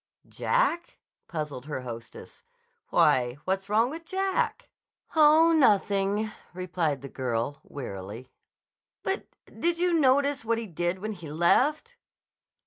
"Jack?" puzzled her hostess. "Why, what's wrong with Jack?" "Oh, nothing," replied the girl wearily. "But—did you notice what he did when he left?"